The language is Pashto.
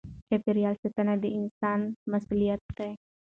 چاپېریال ساتنه د انسان مسؤلیت دی.